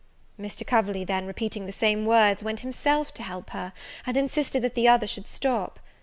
Mr. Coverley then, repeating the same words, went himself to help her, and insisted that the other should stop.